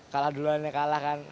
kalah duluan kalah kan